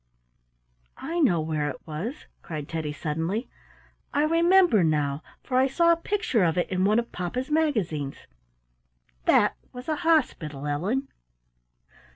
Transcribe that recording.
"I know where it was!" cried Teddy suddenly. "I remember now, for I saw a picture of it in one of papa's magazines. That was a hospital, Ellen."